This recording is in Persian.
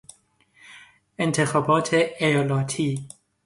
انتخابات ایالتی